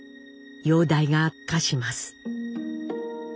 容体が悪化します。